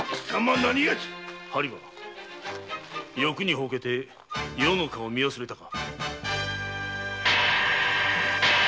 播磨欲にほうけて余の顔を見忘れたか！